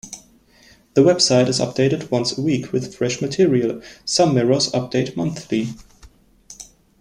The website is updated once a week with fresh material; some mirrors update monthly.